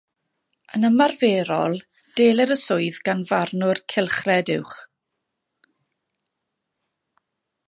Yn ymarferol, delir y swydd gan Farnwr Cylchred Uwch.